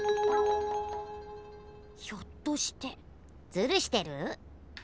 ひょっとしてずるしてる？